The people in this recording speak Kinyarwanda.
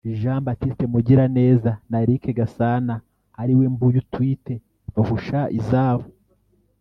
Jean Baptiste Mugiraneza na Eric Gasana ari we Mbuyu Twite bahusha izabo